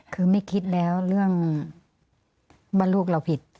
คือไม่คิดแล้วเรื่องว่าลูกเราผิด